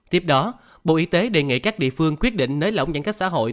tiếp đó bộ y tế đề nghị các địa phương quyết định nới lỏng giãn cách xã hội